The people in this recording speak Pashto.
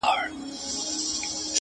ژوند چي د عقل په ښکلا باندې راوښويدی’